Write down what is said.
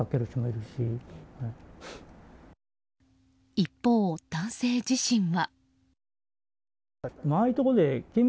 一方、男性自身は。